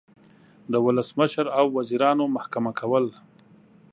د ولسمشر او وزیرانو محکمه کول